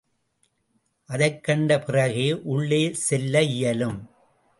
அதைக் கண்ட பிறகே, உள்ளே செல்ல இயலும்.